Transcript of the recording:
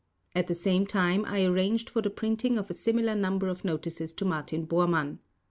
At the same time I arranged for the printing of a similar number of notices to Martin Bormann.